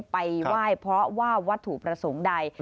ไปไหว้เพราะว่าวัตถุประสงค์ใด